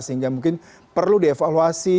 sehingga mungkin perlu dievaluasi